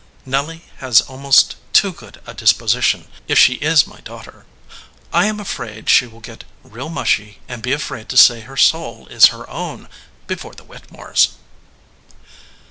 Nelly has almost too good a disposi tion, if she is my daughter. I am afraid she will get real mushy and be afraid to say her soul is her own, before the Whittemores."